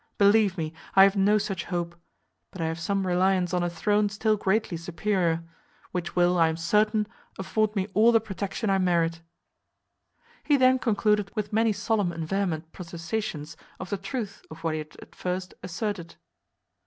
Believe me, I have no such hope; but I have some reliance on a throne still greatly superior; which will, I am certain, afford me all the protection I merit." He then concluded with many solemn and vehement protestations of the truth of what he had at first asserted.